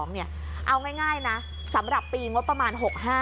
เอาง่ายนะสำหรับปีงบประมาณ๖๕